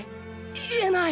言えない！